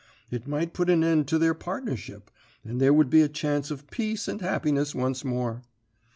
It might put a end to their partnership, and there would be a chance of peace and happiness once more.